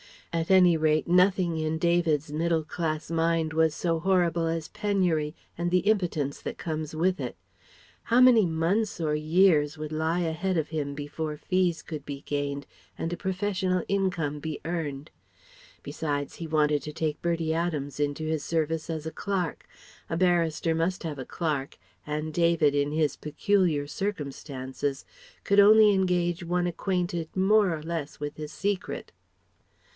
At any rate nothing in David's middle class mind was so horrible as penury and the impotence that comes with it. How many months or years would lie ahead of him before fees could be gained and a professional income be earned? Besides he wanted to take Bertie Adams into his service as a Clerk. A barrister must have a clerk, and David in his peculiar circumstances could only engage one acquainted more or less with his secret.